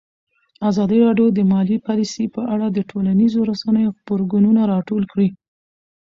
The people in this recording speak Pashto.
ازادي راډیو د مالي پالیسي په اړه د ټولنیزو رسنیو غبرګونونه راټول کړي.